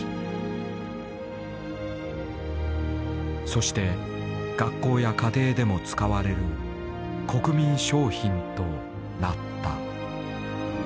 そして学校や家庭でも使われる国民商品となった。